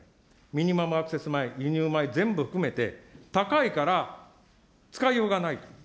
ミニマムアクセス米、輸入米、全部含めて、高いから使いようがないと。